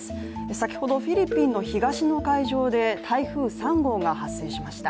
先ほどフィリピンの東の海上で台風３号が発生しました。